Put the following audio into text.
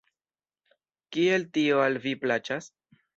Kiel tio al vi plaĉas?